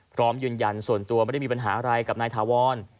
พร้อมยืนยันส่วนตัวไม่ได้มีปัญหาอะไรกับนายถาวร